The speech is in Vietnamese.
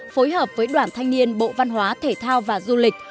phối hợp với đoàn thanh niên bộ văn hóa thể thao và du lịch